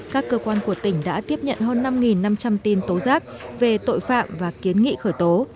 các cơ quan của tỉnh đã tiếp nhận hơn năm năm trăm linh tin tố giác về tội phạm và kiến nghị khởi tố